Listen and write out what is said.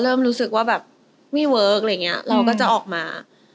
พอเริ่มรู้สึกว่าไม่เวิร์คเราก็จะออกมา